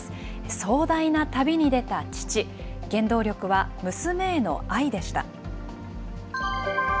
壮大な旅に出た父、原動力は娘への愛でした。